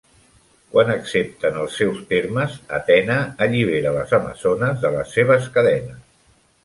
Quan accepten els seus termes, Atena allibera les amazones de les seves cadenes.